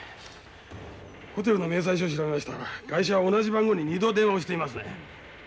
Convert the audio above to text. ホテルの明細書を調べましたら害者は同じ番号に２度電話をしていますね。